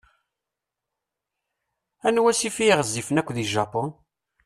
Anwa asif i yeɣezzifen yakk di Japun?